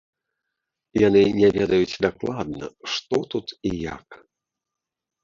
Яны не ведаюць дакладна, што тут і як.